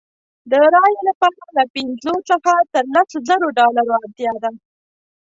د رایې لپاره له پنځو څخه تر لسو زرو ډالرو اړتیا ده.